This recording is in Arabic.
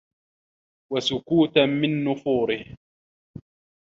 وَسُكُوتًا مِنْ نُفُورِهِ